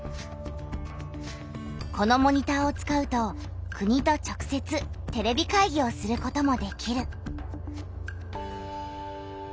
このモニターを使うと国と直せつテレビ会議をすることもできる。